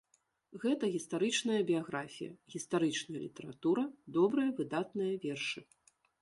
Гэта гістарычная біяграфія, гістарычная літаратура, добрыя выдатныя вершы.